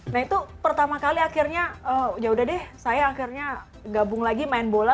nah itu pertama kali akhirnya yaudah deh saya akhirnya gabung lagi main bola